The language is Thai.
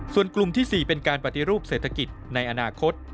ส่วนกลุ่มที่๔เป็นการปฏิรูปเศรษฐกิจในอนาคต